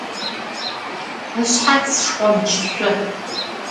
Ышъхьац шхъомчышъо.